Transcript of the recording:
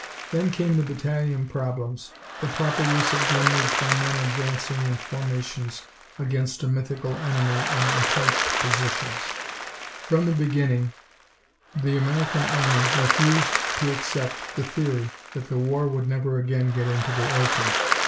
Then came the battalion problems, the proper use of grenades by men advancing in formations against a mythical enemy in intrenched positions. From the beginning, the American Army refused to accept the theory that the war would never again get into the open.